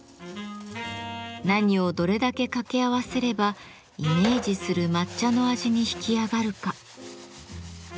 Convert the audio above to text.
何をどれだけ掛け合わせればイメージする抹茶の味に引き上がるか。